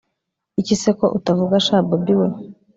iki se ko utavuga sha bobi we!